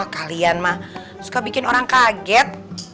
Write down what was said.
kalian mah suka bikin orang kaget